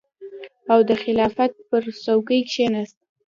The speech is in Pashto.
او د خلافت پر څوکۍ کېناست.